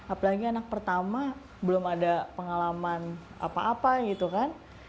apalagi anak pertama belum ada pengalaman apa apa gitu kan